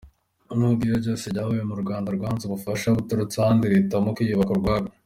Nubwo ibi byose byabaye mu Rwanda, rwanze ubufasha buturutse ahandi ruhitamo kwiyubaka ubwarwo.